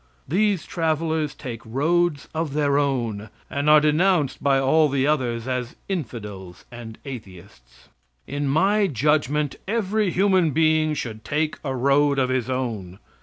These travelers take roads of their own, and are denounced by all the others as infidels and atheists. In my judgment every human being should take a road of his own.